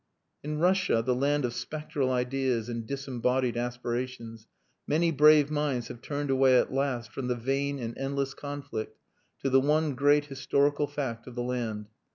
In Russia, the land of spectral ideas and disembodied aspirations, many brave minds have turned away at last from the vain and endless conflict to the one great historical fact of the land.